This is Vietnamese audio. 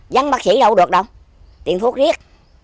dân bác sĩ đâu được đâu tiền phốt riết